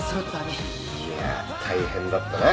いや大変だったね。